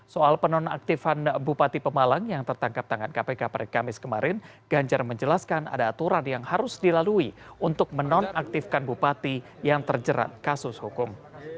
soal penonaktifan bupati pemalang yang tertangkap tangan kpk pada kamis kemarin ganjar menjelaskan ada aturan yang harus dilalui untuk menonaktifkan bupati yang terjerat kasus hukum